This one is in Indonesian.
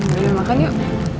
biar makan yuk